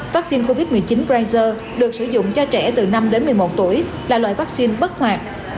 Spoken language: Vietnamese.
vắc xin covid một mươi chín pfizer được sử dụng cho trẻ từ năm đến một mươi một tuổi là loại vắc xin bất hoạt